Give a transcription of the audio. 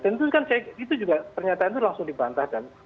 dan itu juga ternyata itu langsung dibantahkan